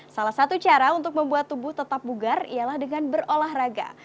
salah satu cara untuk membuat tubuh tetap bugar ialah dengan berolahraga